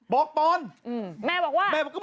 บอกปอนแม่บอกว่า